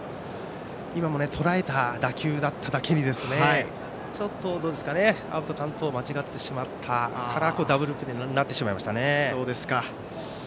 今のもとらえた打球だっただけにちょっとアウトカウントを間違ってしまったからダブルプレーになってしまいましたね。